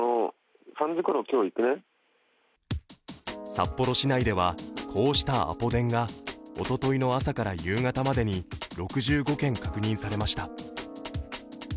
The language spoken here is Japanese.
札幌市内ではこうしたアポ電がおとといの朝から夕方までに６５件確認されました。